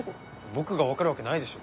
僕が分かるわけないでしょ。